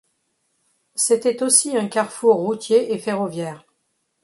C'était aussi un carrefour routier et ferroviaire.